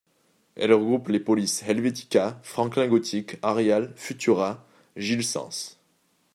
Elles regroupent les polices Helvetica, Franklin Gothic, Arial, Futura, Gill Sans.